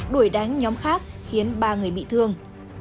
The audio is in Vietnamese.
đuổi đánh nhóm khác khiến ba người bị thương